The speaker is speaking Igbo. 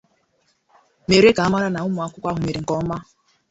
mere ka a mara na ụmụakwụkwọ ahụ mere nke ọma